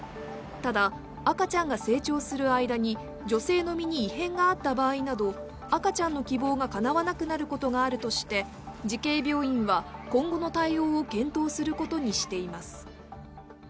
ただ、赤ちゃんが成長する間に女性の身に異変があった場合など赤ちゃんの希望がかなわなくなることがあるとして慈恵病院は今後の対応を検討することにしています。